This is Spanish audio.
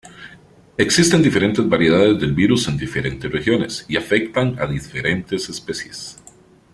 Existen diferentes variedades del virus en diferentes regiones, y afectan a diferentes especies.